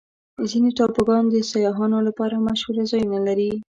ځینې ټاپوګان د سیاحانو لپاره مشهوره ځایونه دي.